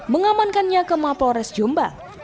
mengamankannya ke mapolores jombang